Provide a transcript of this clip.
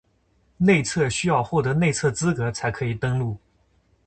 内测需要获得内测资格才可以登录